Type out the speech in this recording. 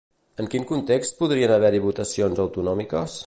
En quin context podrien haver-hi votacions autonòmiques?